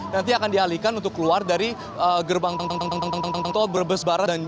nanti akan dialihkan untuk keluar dari gerbang tol brebes barat